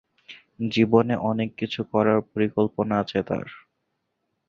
জীবনে অনেক কিছু করার পরিকল্পনা আছে তার।